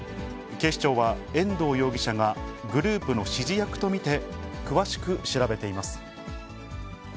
警視庁は、遠藤容疑者がグループの指示役と見て、詳しく調べています。